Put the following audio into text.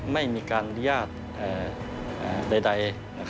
ไม่มีการยาดใด